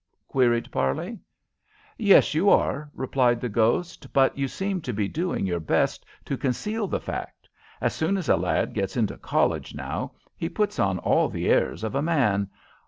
queried Parley. "Yes, you are," replied the ghost. "But you seem to be doing your best to conceal the fact. As soon as a lad gets into college now he puts on all the airs of a man.